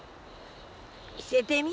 見せてみ。